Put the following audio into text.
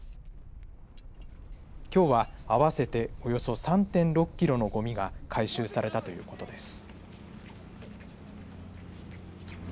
きょうは合わせておよそ３．６キロのごみが回収されたということです。